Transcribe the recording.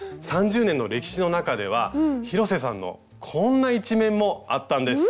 ３０年の歴史の中では広瀬さんのこんな一面もあったんです。